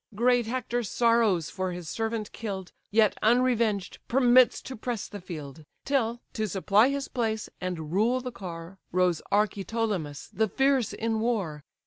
Great Hector sorrows for his servant kill'd, Yet unrevenged permits to press the field; Till, to supply his place and rule the car, Rose Archeptolemus, the fierce in war.